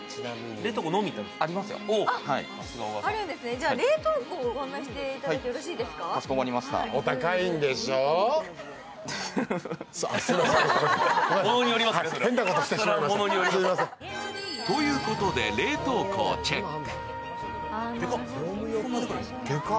じゃあ冷凍庫、ご案内いただいてよろしいですか。ということで冷凍庫をチェック。